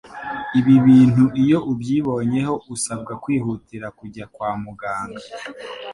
ibi bintu iyo ubyibonyeho usabwa kwihutira kujya kwa muganga,